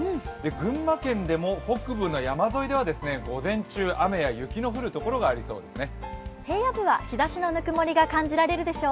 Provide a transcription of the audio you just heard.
群馬県でも北部の山沿いでは午前中、雨や雪の降るところがありそうですね。